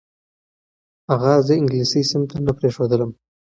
اغا زه انګلیسي صنف ته نه پرېښودلم.